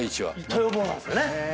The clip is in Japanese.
豊坊なんですよね。